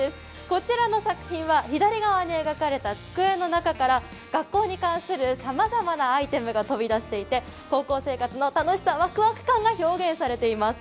こちらの作品は左側に描かれた机の中から、学校に関するさまざまなアイテムが飛び出していて高校生活の楽しさワクワク感が表現されています。